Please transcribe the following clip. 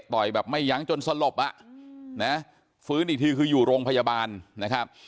แบบไม่ยั้งจนสลบอ่ะนะฟื้นอีกทีคืออยู่โรงพยาบาลนะครับ